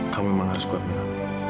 kamu emang harus kuat mila